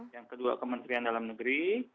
yang kedua kementerian dalam negeri